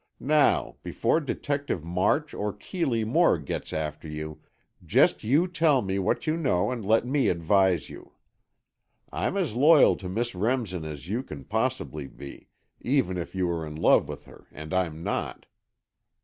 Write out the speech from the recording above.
Now, before Detective March or Keeley Moore gets after you, just you tell me what you know and let me advise you. I'm as loyal to Miss Remsen as you can possibly be, even if you are in love with her and I'm not."